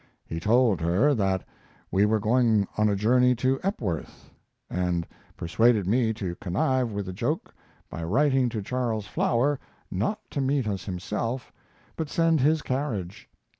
He told her that we were going on a journey to Epworth, and persuaded me to connive with the joke by writing to Charles Flower not to meet us himself, but send his carriage.